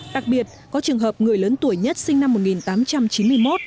đặc biệt có trường hợp người lớn tuổi nhất sinh năm một nghìn tám trăm chín mươi một